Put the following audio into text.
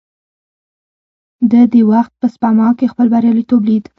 ده د وخت په سپما کې خپل برياليتوب ليد.